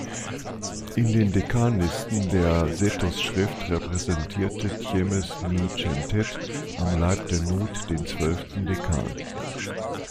In den Dekanlisten der Sethos-Schrift repräsentierte Tjemes-ni-chentet am Leib der Nut den zwölften Dekan.